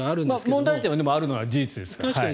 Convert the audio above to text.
問題点があるのは事実ですから。